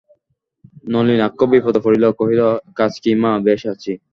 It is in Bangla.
নলিনাক্ষ বিপদে পড়িল, কহিল, কাজ কী মা, বেশ আছি।